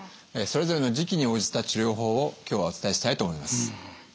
それぞれの時期に応じた治療法を今日はお伝えしたいと思います。